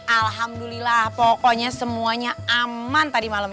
alhamdulillah pokoknya semuanya aman tadi malam